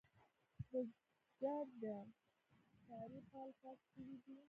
بزگر د سپارې پال پس شوی دی.